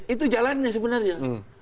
itu jalannya sebenarnya